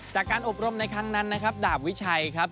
จากการอบรมในครั้งนั้นนะครับดาบวิชัยครับ